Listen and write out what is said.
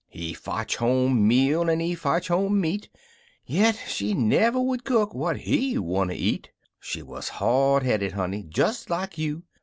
He fotch home meal an' he fotch home meat, Yit she never would cook what he wanter eat; She wuz hard headed, honey, des like you.